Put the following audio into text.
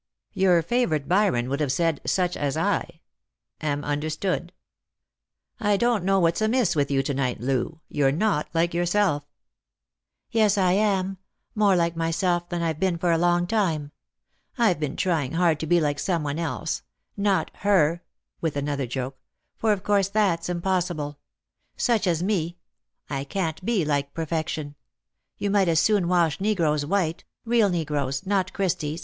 " Your favourite Byron would have said ' sucb as I '— am un derstood. I don't know what's amiss with you to night, Loo ; you're not like yourself." 94 Lost for Love, " Yes, I am ; more like myself than I've been for a^tong time. I've been trying hard to be like some one else. Not her I " with another jerk ;" for of course that's impossible. Such as me — I — can't be like perfection. You might as soon wash negroes white — real negroes, not Christy's.